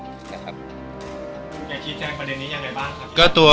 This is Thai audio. คุณแกคิดแจ้งประเด็นนี้อย่างไรบ้างครับ